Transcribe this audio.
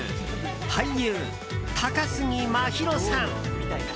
俳優・高杉真宙さん。